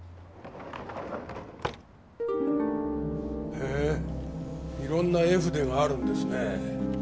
へぇー色んな絵筆があるんですね。